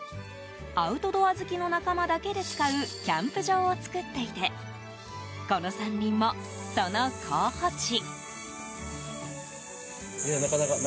アウトドア好きの仲間だけで使うキャンプ場を作っていてこの山林もその候補地。